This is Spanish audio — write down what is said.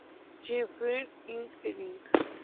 Stretch Films, Inc el inc.